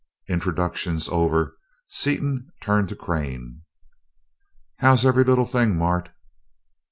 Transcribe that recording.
Introductions over, Seaton turned to Crane. "How's every little thing, Mart?"